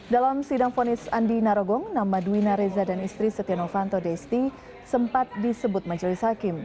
dalam sidang fonis andi narogong nama duwina reza dan istri setia novanto desti sempat disebut majelis hakim